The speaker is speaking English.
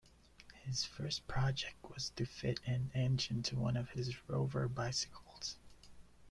His first project was to fit an engine to one of his Rover bicycles.